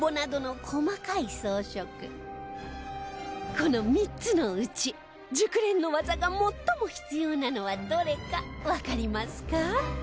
この３つのうち熟練の技が最も必要なのはどれかわかりますか？